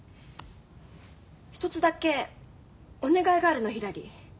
一つだけお願いがあるのひらり。